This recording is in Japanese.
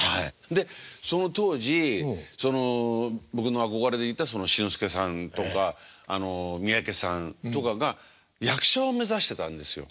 でその当時その僕の憧れていた志の輔さんとか三宅さんとかが役者を目指してたんですよ。